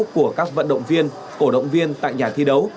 của các vận động viên cổ động viên tại nhà thi đấu